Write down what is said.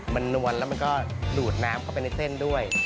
มันนวลแล้วมันก็ดูดน้ำเข้าไปในเส้นด้วย